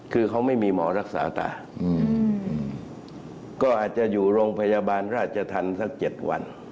คือเขาไม่มีหมอรักษาตาก็อาจจะอยู่โรงพยาบาลราชธรรมสัก๗วัน